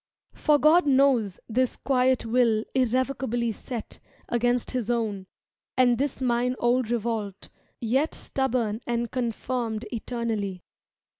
For God knows This quiet will irrevocably set Against His own, and this mine old revolt. Yet stubborn and confirmed eternally.